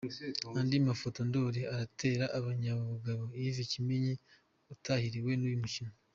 Andi mafotoNdoli aratera akanyabugabo Yves kimenyi utahiriwe n’uyu mukino.